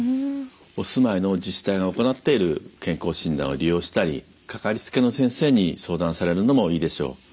お住まいの自治体が行っている健康診断を利用したり掛かりつけの先生に相談されるのもいいでしょう。